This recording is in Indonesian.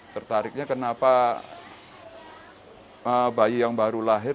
tertariknya kenapa bayi yang baru lahir